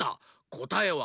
こたえは。